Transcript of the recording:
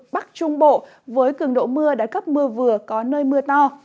bắc trung bộ với cường độ mưa đã cấp mưa vừa có nơi mưa to